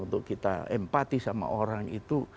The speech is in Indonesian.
untuk kita empati sama orang itu